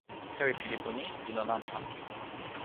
sewi pi lipu ni li lon anpa.